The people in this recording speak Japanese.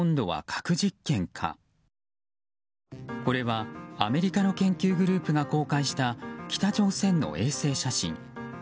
これはアメリカの研究グループが公開した北朝鮮の衛星写真。